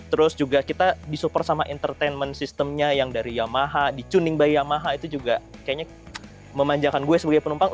terus juga kita disupport sama entertainment system nya yang dari yamaha dicuning by yamaha itu juga kayaknya memanjakan gua sebagai penumpang